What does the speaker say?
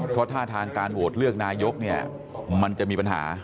เพราะท่าทางการโหวตเลือกนายกเนี่ยมันจะมีปัญหา